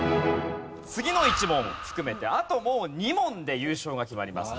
次の１問含めてあともう２問で優勝が決まります。